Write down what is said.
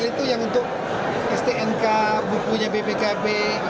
itu yang untuk stnk bukunya bpkb